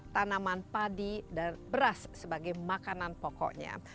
tanaman padi dan beras sebagai makanan pokoknya